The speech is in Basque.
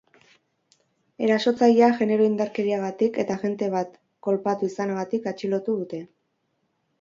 Erasotzailea genero indarkeriagatik eta agente bat kolpatu izanagatik atxilotu dute.